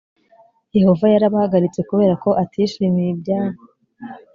yehova yarabahagaritse kubera ko atishimiye ibyabo